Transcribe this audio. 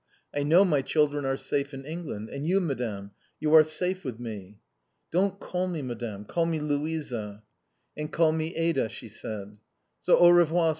I know my children are safe in England. And you, Madame, you are safe with me!" "Don't call me Madame, call me Louisa." "And call me Ada," she said. "So, au revoir!"